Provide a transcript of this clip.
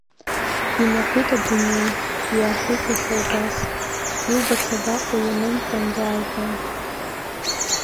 Инаҳәит адунеи, иааҳәит иахьа убас, иубац абаҟоу ианымҟьанда ажәҩан!